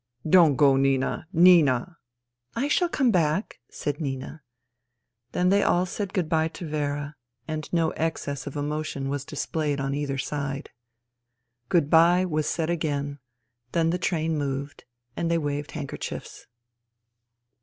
" Don't go, Nina. Nina !"" I shall come back," said Nina. Then they all said good bye to Vera, and no excess of emotion was displayed on either side. " Good bye !" was said again. Then the train moved, and they waved handkerchiefs.